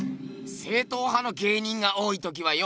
正統派の芸人が多いときはよ